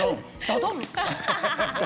ドドンと。